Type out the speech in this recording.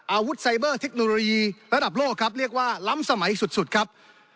อาวุธไซเบอร์เทคโนโลยีระดับโลกครับเรียกว่าล้ำสมัยสุดครับ